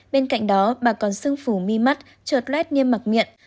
bên cạnh đó bà còn sưng phù mi mắt trợt lét như mặc miệng